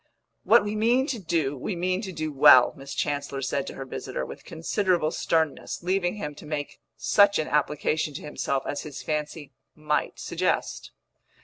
"What we mean to do, we mean to do well," Miss Chancellor said to her visitor, with considerable sternness; leaving him to make such an application to himself as his fancy might suggest.